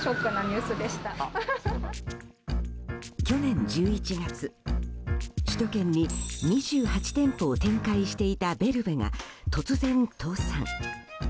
去年１１月、首都圏に２８店舗を展開していたベルベが突然、倒産。